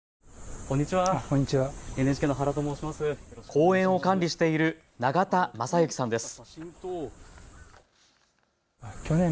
公園を管理している永田雅之さんです。